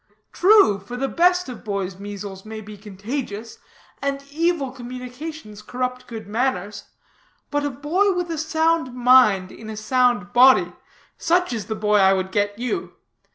True, for the best of boys' measles may be contagious, and evil communications corrupt good manners; but a boy with a sound mind in a sound body such is the boy I would get you.